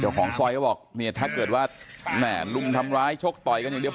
ของซอยก็บอกเนี่ยถ้าเกิดว่าแม่ลุมทำร้ายชกต่อยกันอย่างเดียว